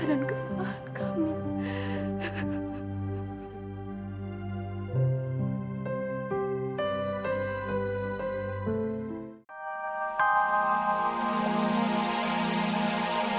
dan kematkaman kami